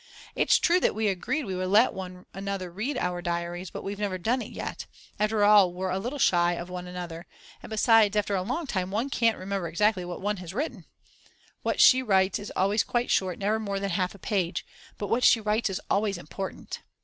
It's true that we agreed we would let one another read our diaries, but we've never done it yet; after all we're a little shy of one another, and besides after a long time one can't remember exactly what one has written. What she writes is always quite short, never more than half a page, but what she writes is always important.